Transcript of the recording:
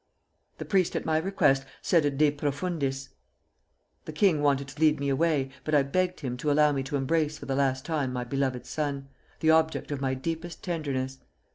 The priest at my request said a De profundis. The king wanted to lead me away, but I begged him to allow me to embrace for the last time my beloved son, the object of my deepest tenderness.